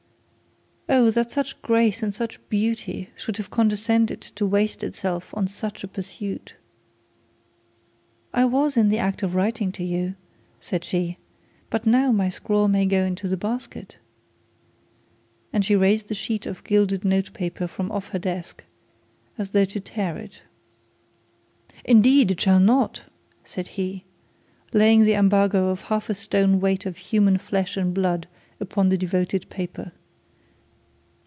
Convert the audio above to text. Oh, that such grace and such beauty should have condescended to waste itself on such a pursuit! 'I was in the act of writing to you,' said she, 'but now my scrawl may go into the basket;' and she raised the sheet of gilded note paper from off her desk as though to tear it. 'Indeed it shall not,' said he, laying the embargo of half a stone weight of human flesh and blood upon the devoted paper.